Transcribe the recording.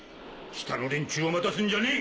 下の連中を待たすんじゃねえ。